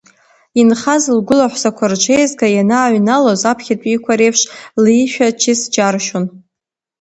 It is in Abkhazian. Инхаз лгәыла ҳәсақәа рҽеизга ианааҩналоз, аԥхьатәиқәа реиԥш лишәа чыс џьаршьон.